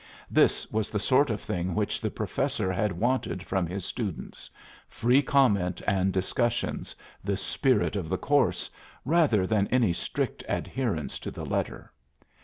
This was the sort of thing which the Professor had wanted from his students: free comment and discussions, the spirit of the course, rather than any strict adherence to the letter.